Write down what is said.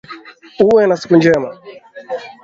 Uwe na siku njema